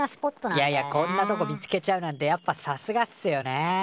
いやいやこんなとこ見つけちゃうなんてやっぱさすがっすよね。